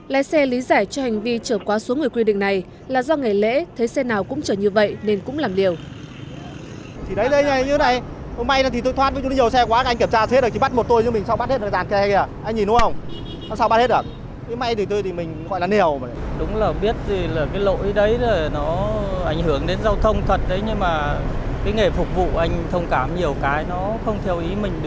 lẽ xe lý giải cho hành vi trở quá số người quy định này là do ngày lễ thấy xe nào cũng trở như vậy nên cũng làm điều